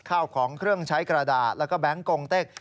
ข้าวของเครื่องใช้กระดาษแล้วก็แบงค์กงเต็ก